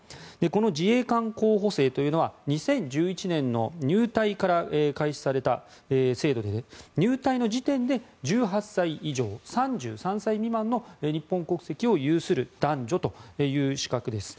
の自衛官候補生というのは２０１１年の入隊から開始された制度で入隊の時点で１８歳以上３３歳未満の日本国籍を有する男女という資格です。